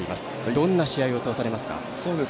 どんな試合を予想されますか？